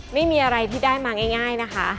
ไม่มีอะไรที่ได้มาง่ายนะคะ